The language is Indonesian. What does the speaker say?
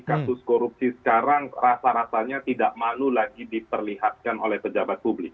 kasus korupsi sekarang rasa rasanya tidak malu lagi diperlihatkan oleh pejabat publik